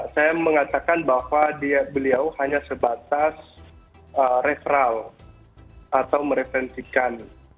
saya mengatakan bahwa beliau hanya sebatas referal atau mereferensikan